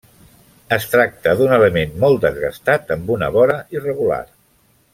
Es tracta d'un element molt desgastat, amb una vora irregular.